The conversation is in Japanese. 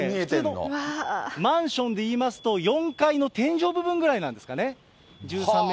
マンションでいいますと、４階の天井部分ぐらいなんですかね。